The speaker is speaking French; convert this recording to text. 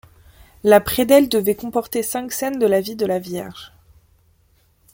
La prédelle devait comporter cinq scènes de la vie de la Vierge.